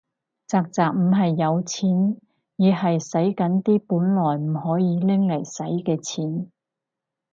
宅宅唔係有錢，而係洗緊啲本來唔可以拎嚟洗嘅錢